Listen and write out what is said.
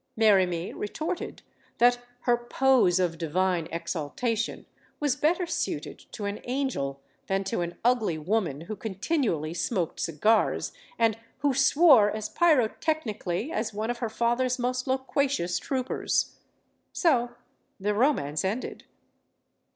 Merimee retorted that her "pose of divine exaltation" was better suited to an angel than to an ugly woman who continually smoked cigars and who swore as pyrotechnically as one of her 162 STORIES OF THE SUPER WOMEN father's most loquacious troopers. So the romance ended.